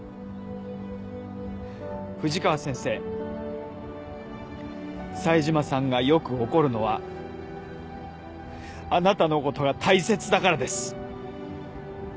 「藤川先生冴島さんがよく怒るのはあなたのことが大切だからです」